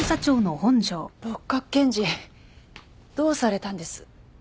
六角検事どうされたんです？